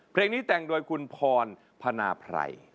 เพลงนี้แต่งด้วยคุณพรพนาพรัย